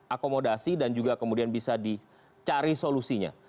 akomodasi dan juga kemudian bisa dicari solusinya